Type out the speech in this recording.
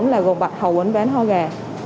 là gồm bạch hầu uống ván ho gà